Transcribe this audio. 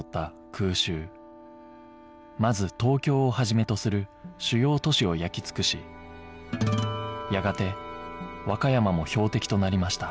まず東京を始めとする主要都市を焼き尽くしやがて和歌山も標的となりました